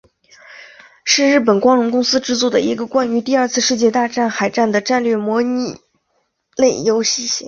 是日本光荣公司制作的一个关于第二次世界大战海战的战略模拟类游戏系列。